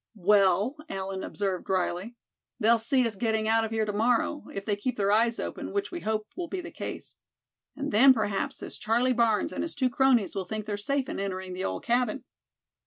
"Well," Allan observed, drily, "they'll see us getting out of here to morrow, if they keep their eyes open, which we hope will be the case. And then perhaps this Charlie Barnes and his two cronies will think they're safe in entering the old cabin."